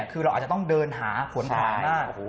คือเราอาจจะต้องเดินหาฝนผ่านหน้า